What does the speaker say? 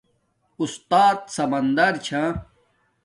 استات سمندر چھا